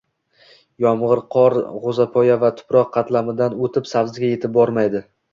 Yomgʻir-qor gʻoʻzapoya va tuproq qatlamidan oʻtib sabziga yetib bormaydi.